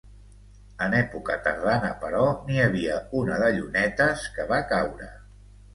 En època tardana, però, n'hi havia una de llunetes que va caure.